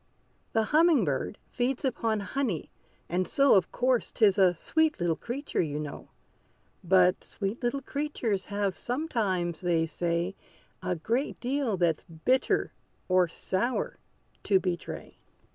The humming bird feeds upon honey; and so, Of course, 'tis a sweet little creature, you know. But sweet little creatures have sometimes, they say, A great deal that's bitter, or sour, to betray!